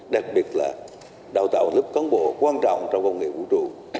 đặc biệt là đào tạo lớp cán bộ quan trọng trong công nghệ vũ trụ